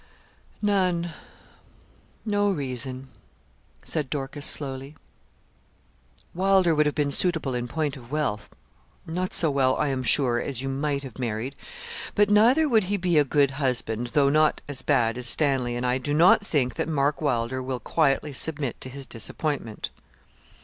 'None; no reason,' said Dorcas, slowly. 'Wylder would have been suitable in point of wealth. Not so well, I am sure, as you might have married; but neither would he be a good husband, though not so bad as Stanley; and I do not think that Mark Wylder will quietly submit to his disappointment.'